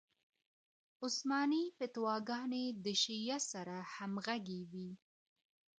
عثماني فتواګانې د شیعه سره همغږې وې.